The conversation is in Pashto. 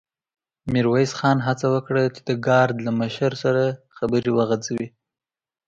ميرويس خان هڅه وکړه چې د ګارد له مشر سره خبرې وغځوي.